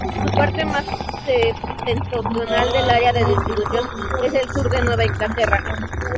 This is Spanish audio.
Su parte más septentrional del área de distribución es el sur de Nueva Inglaterra.